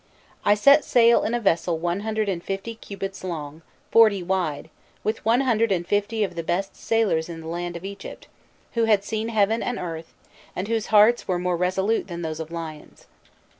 "I set sail in a vessel one hundred and fifty cubits long, forty wide, with one hundred and fifty of the best sailors in the land of Egypt, who had seen heaven and earth, and whose hearts were more resolute than those of lions.